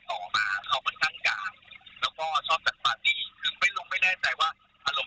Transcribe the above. ก็ออกให้คลิปต้องคิดว่าครูเป็นวงจรหากว่ามีประการใจแบบนี้แหละ